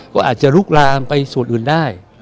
ก็อาจจะลุกลามไปส่วนอื่นได้